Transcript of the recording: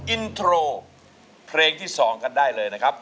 อินโทรเพลงที่๒กันได้เลยนะครับ